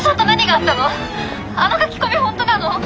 あの書き込み本当なの？